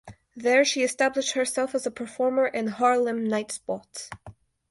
There she established herself as a performer in Harlem nightspots.